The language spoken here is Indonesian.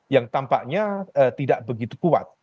yang tampaknya tidak begitu kuat